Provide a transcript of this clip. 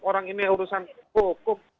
orang ini urusan hukum